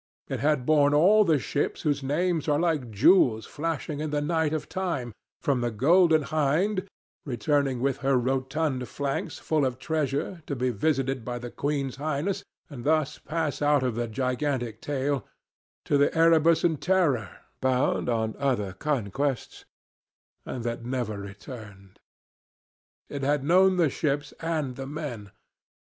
It had borne all the ships whose names are like jewels flashing in the night of time, from the Golden Hind returning with her round flanks full of treasure, to be visited by the Queen's Highness and thus pass out of the gigantic tale, to the Erebus and Terror, bound on other conquests and that never returned. It had known the ships and the men.